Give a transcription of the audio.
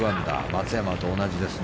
松山と同じです。